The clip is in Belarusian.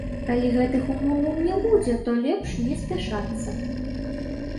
Калі гэтых умоваў не будзе, то лепш не спяшацца.